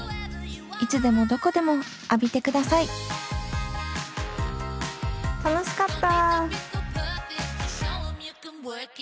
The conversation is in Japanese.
いつでもどこでも浴びてください楽しかった。